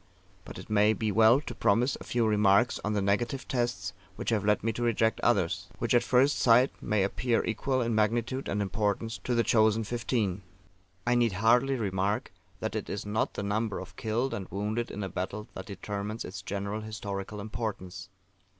But it may be well to premise a few remarks on the negative tests which have led me to reject others, which at first sight may appear equal in magnitude and importance to the chosen Fifteen. I need hardly remark that it is not the number of killed and wounded in a battle that determines its general historical importance.